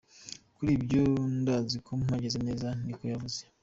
Kuri ivyo, ndazi ko mpagaze neza," niko yavuze.